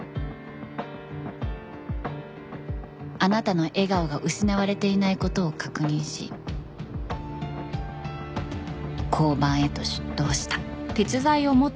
あなたの笑顔が失われていない事を確認し交番へと出頭した。